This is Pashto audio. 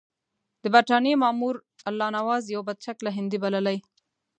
د برټانیې مامور الله نواز یو بدشکله هندی بللی.